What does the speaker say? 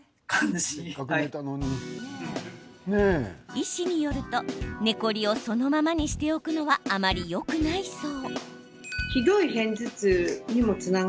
医師によると寝コリをそのままにしておくのはあまり、よくないそう。